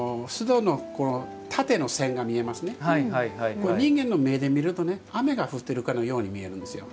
これ人間の目で見るとね雨が降ってるかのように見えるんですよ。